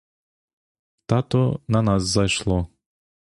Та то на нас зайшло!